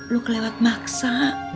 lu kelewat maksa